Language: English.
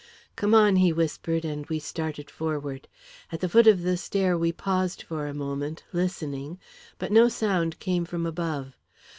"Come on," he whispered, and we started forward. At the foot of the stair we paused for a moment, listening; but no sound came from above.